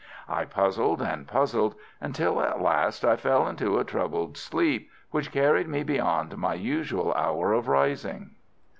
I puzzled and puzzled until at last I fell into a troubled sleep, which carried me beyond my usual hour of rising.